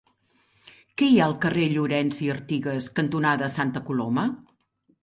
Què hi ha al carrer Llorens i Artigas cantonada Santa Coloma?